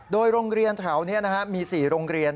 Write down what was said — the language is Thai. โดยโรงเรียนแถวนี้มี๔โรงเรียน